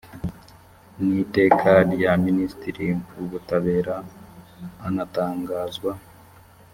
n iteka n rya minisitiri w ubutabera anatangazwa